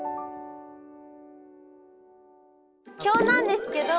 今日なんですけど。